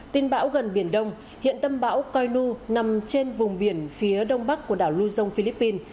tin bão gần biển đông hiện tâm bão coi nu nằm trên vùng biển phía đông bắc của đảo lưu dông philippines